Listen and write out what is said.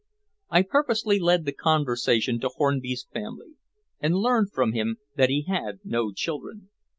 I purposely led the conversation to Hornby's family, and learned from him that he had no children.